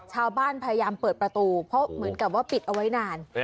พยายามเปิดประตูเพราะเหมือนกับว่าปิดเอาไว้นาน